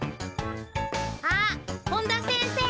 あっ本田先生